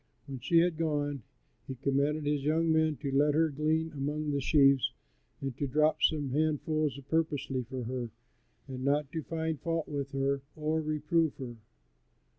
When she had gone he commanded his young men to let her glean among the sheaves and to drop some handfuls purposely for her, and not to find fault with her or reprove her.